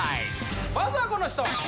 まずはこの人！